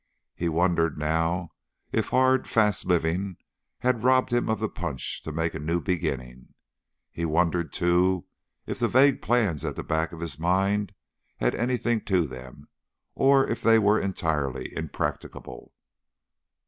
He wondered now if hard, fast living had robbed him of the punch to make a new beginning; he wondered, too, if the vague plans at the back of his mind had anything to them or if they were entirely impracticable.